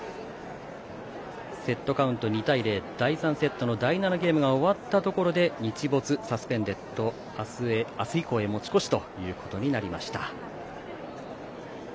セットカウント２対０第３セットの第７ゲームが終わったところで日没サスペンデッド明日以降へ持ち越しということになりました。